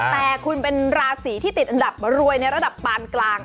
แต่คุณเป็นราศีที่ติดอันดับรวยในระดับปานกลาง